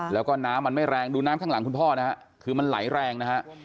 แล้วก็น้ำมันไม่แรงดูน้ำข้างหลังคุณพ่อนะฮะคือมันไหลแรงนะฮะ